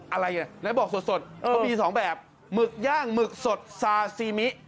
อะไรอ่ะไหนบอกสดเขามีสองแบบหมึกย่างหมึกสดซาซีมิ